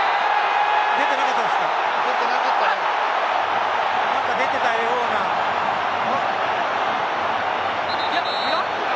出ていなかったですか？